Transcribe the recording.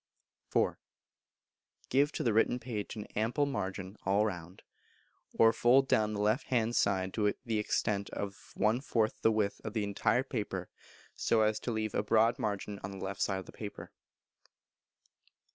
iv. Give to the written page an ample margin all round; or fold down the left hand side to the extent of one fourth the width of the entire paper so as to leave a broad margin on the left side of the paper.